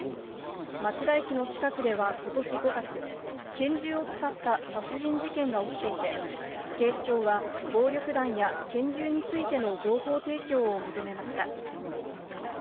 町田駅の近くではことし５月、拳銃を使った殺人事件が起きていて、警視庁は暴力団や拳銃についての情報提供を求めました。